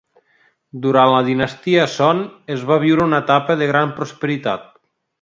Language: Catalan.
Durant la dinastia Son, es va viure una etapa de gran prosperitat.